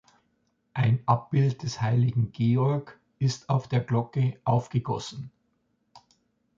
Ein Abbild des Heiligen Georg ist auf der Glocke aufgegossen.